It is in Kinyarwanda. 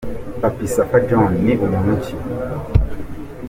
Papy Safa John ni muntu ki?.